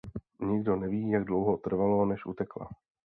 Nikdo neví jak dlouho trvalo než utekla.